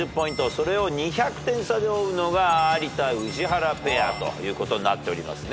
それを２００点差で追うのが有田宇治原ペアということになっておりますね。